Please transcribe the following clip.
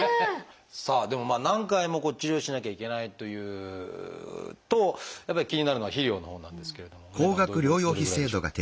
さあでも何回も治療をしなきゃいけないというとやっぱり気になるのは費用のほうなんですけれどもお値段はどれぐらいでしょうか？